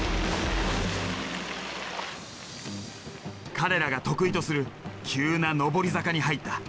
彼らが得意とする急な上り坂に入った。